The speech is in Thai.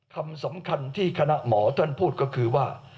คำสำคัญที่คณะหมอท่านพูดก็คือว่า